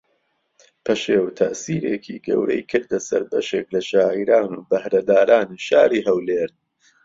پەشێو تەئسیرێکی گەورەی کردە سەر بەشێک لە شاعیران و بەھرەدارانی شاری ھەولێر